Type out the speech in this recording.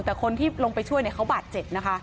แต่คนที่ลงไปช่วยเนี่ยเขาบาดเจ็บนะคะ